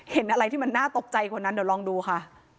เห็นอะไรที่มันน่าตกใจกว่านั้นเดี๋ยวลองดูค่ะ